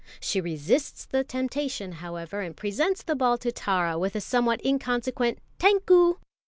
She resists the temptation, however, and presents the ball to Tara with a somewhat inconsequent "Tankou!"